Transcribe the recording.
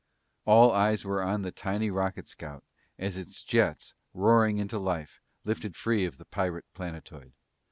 All eyes were on the tiny rocket scout as its jets, roaring into life, lifted free of the pirate planetoid.